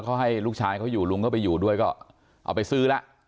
เขาให้ลูกชายเขาอยู่ลุงเขาไปอยู่ด้วยก็เอาไปซื้อแล้ว